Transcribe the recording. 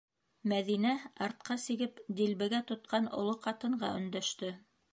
Мәҙинә, артҡа сигеп, дилбегә тотҡан оло ҡатынға өндәште: